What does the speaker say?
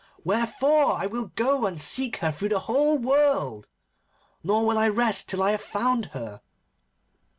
Wherefore I will go and seek her through the whole world, nor will I rest till I have found her.